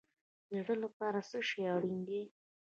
د زړه لپاره څه شی اړین دی؟